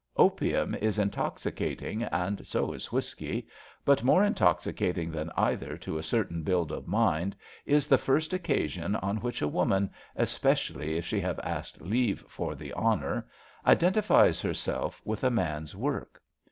Opium is intoxicating, and so is whisky, but more intoxi cating than either to a certain build of mind is the first occasion on which a woman — especially if she have asked leave for the *^ honour '' —identifies her self with a man's work.